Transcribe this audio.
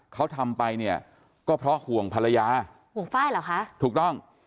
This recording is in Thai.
เขาทำไปเนี่ยก็เพราะห่วงภรรยาห่วงไฟล์เหรอคะถูกต้อง